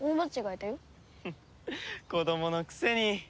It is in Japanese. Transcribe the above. フフッ子供のくせに。